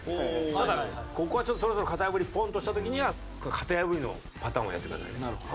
ただここはちょっとそろそろ型破りをポンと押した時には型破りのパターンをやってください。